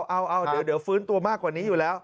เอาเดี๋ยวฟื้นตัวมากกว่านี้อยู่แล้ว